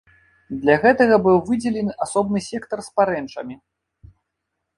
Для гэтага быў выдзелены асобны сектар з парэнчамі.